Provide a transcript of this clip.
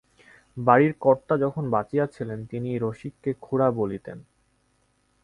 বাড়ির কর্তা যখন বাঁচিয়া ছিলেন তিনি রসিককে খুড়া বলিতেন।